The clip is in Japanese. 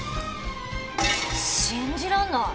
信じらんない！